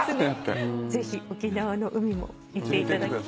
沖縄の海も行っていただきたい。